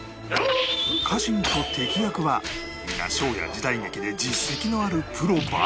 家臣と敵役は皆ショーや時代劇で実績のあるプロばかり